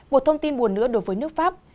một thông tin buồn nữa đối với nước pháp